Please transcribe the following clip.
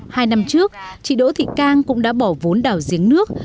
hai năm trước chị đỗ thị cang cũng đã bỏ vốn đào giếng nước